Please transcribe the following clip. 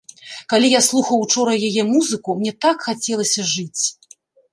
Калі я слухаў учора яе музыку, мне так хацелася жыць!